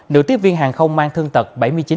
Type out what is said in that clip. nữ tiếp viên hàng không mang thương tật bảy mươi chín